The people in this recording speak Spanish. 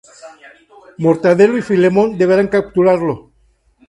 Mortadelo y Filemón deberán capturarlo.